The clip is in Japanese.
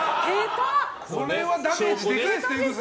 これはダメージでかいですね。